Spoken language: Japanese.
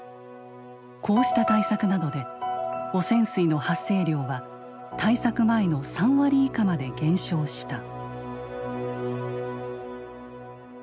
こうした対策などで汚染水の発生量は対策前の３割以下まで減少した。